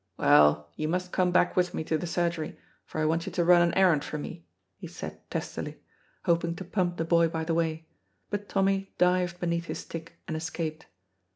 "Well, you must come back with me to the surgery, for I want you to run an errand for me," he said testily, hoping to pump the boy by the way, but Tommy dived beneath his stick and escaped.